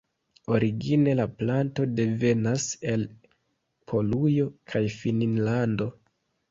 Origine la planto devenas el Polujo kaj Finnlando.